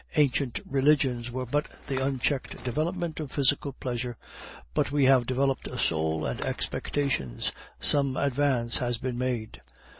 Ancient religions were but the unchecked development of physical pleasure, but we have developed a soul and expectations; some advance has been made."